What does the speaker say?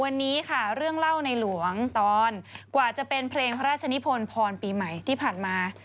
วันนี้ค่ะเรื่องเล่าในหลวงตอนกว่าจะเป็นเพลงพระราชนิพลพรปีใหม่ที่ผ่านมา